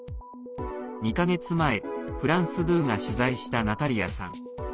２か月前、フランス２が取材したナタリアさん。